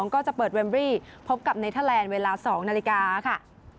ก็จะเปิดเวมบรี่พบกับเนเทอร์แลนด์เวลา๒นาฬิกาค่ะ